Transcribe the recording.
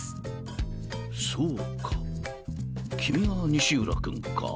そうか君が西浦君か。